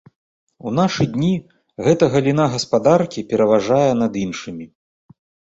У нашы дні гэта галіна гаспадаркі пераважае над іншымі.